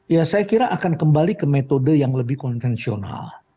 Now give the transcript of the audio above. ya saya kira akan kembali ke metode yang lebih konvensional